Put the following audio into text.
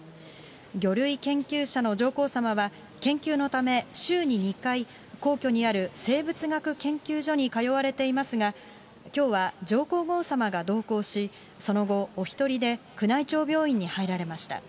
魚類研究者の上皇さまは研究のため、週に２回、皇居にある生物学研究所に通われていますが、きょうは上皇后さまが同行し、その後、お１人で宮内庁病院に入られました。